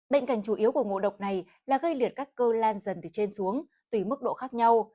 bệnh cảnh chủ yếu của ngộ độc này là gây liệt các cơ lan dần từ trên xuống tùy mức độ khác nhau